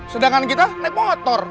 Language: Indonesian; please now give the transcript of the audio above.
sedangkan kita naik motor